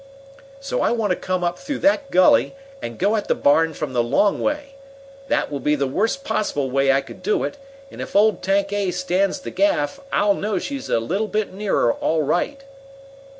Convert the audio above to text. "So I want to come up through that gully, and go at the barn from the long way. That will be the worst possible way I could do it, and if old Tank A stands the gaff I'll know she's a little bit nearer all right."